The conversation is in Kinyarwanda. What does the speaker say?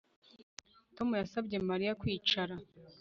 Tom yasabye Mariya kwicara